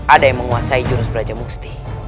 ada yang menguasai jurus brajamusti